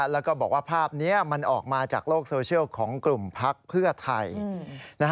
แล้วก็บอกว่าภาพนี้มันออกมาจากโลกโซเชียลของกลุ่มพักเพื่อไทย